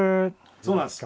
そうなんです